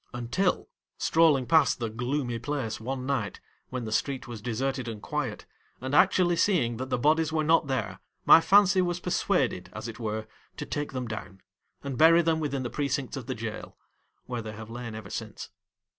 Until, strolling past the gloomy place one night, when the street was deserted and quiet, and actually seeing that the bodies were not there, my fancy was persuaded, as it were, to take them down and bury them within the precincts of the jail, where they have lain ever since.